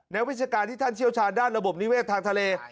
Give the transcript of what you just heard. นักวิชาการที่ท่านเชี่ยวชาญด้านระบบนิเวศทางทะเล